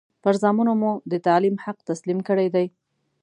پر زامنو مو د تعلیم حق تسلیم کړی دی.